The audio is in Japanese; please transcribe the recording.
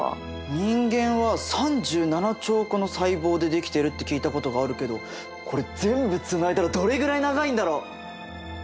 人間は３７兆個の細胞でできてるって聞いたことがあるけどこれ全部つないだらどれぐらい長いんだろ？